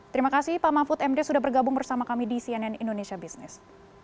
terima kasih pak mahfud md sudah bergabung bersama kami di cnn indonesia business